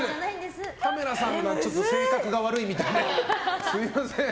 カメラさんの性格が悪いみたいですみません。